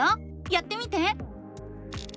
やってみて！